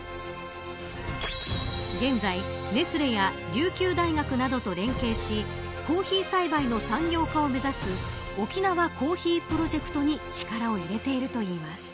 現在ネスレや琉球大学などと連携しコーヒー栽培の産業化を目指す沖縄コーヒープロジェクトに力を入れているといいます。